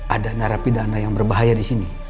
ada narapidana yang berbahaya di sini